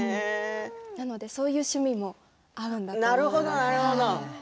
なのでそういう趣味も合うんだと思います。